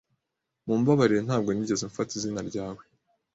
Mumbabarire, ntabwo nigeze mfata izina ryawe.